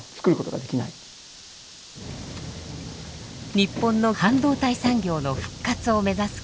日本の半導体産業の復活を目指す黒田さん。